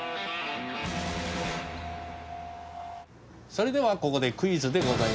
それではここでクイズでございます。